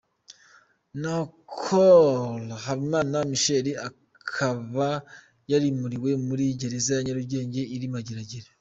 Naho Col Habimana Michel akaba yarimuriwe muri gereza ya Nyarugenge iri Mageragere.